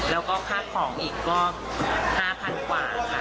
แล้วก็ค่าของอีกก็๕๐๐๐กว่าค่ะ